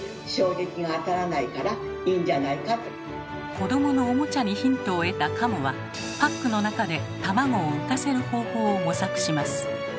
子どものおもちゃにヒントを得た加茂はパックの中で卵を浮かせる方法を模索します。